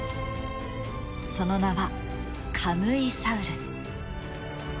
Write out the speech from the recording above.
その名はカムイサウルス。